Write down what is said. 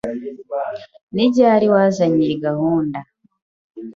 Ni ryari wazanye iyi gahunda?